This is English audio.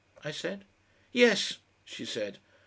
I said. "Yes," she said.